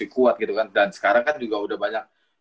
kuat gitu kan dan sekarang kan juga udah banyak